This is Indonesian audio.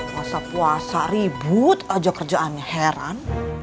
puasa puasa ribut aja kerjaannya heran